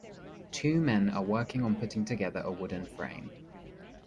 Two men are working on putting together a wooden frame.